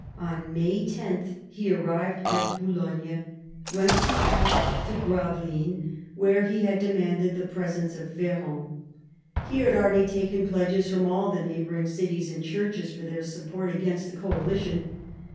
On May 10 he arrived at Boulogne, whence he passed to G ravelines, where he had demanded the presence of Ferrand. He had already taken pledges from all the neighbouring cities and churches for their support against the coalition.